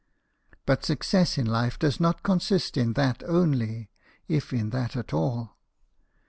But success in life does not consist in that only, if in that at all.